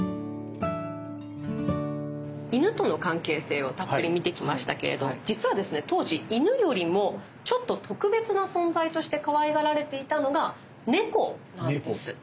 犬との関係性をたっぷり見てきましたけれど実はですね当時犬よりもちょっと特別な存在としてかわいがられていたのが猫なんです。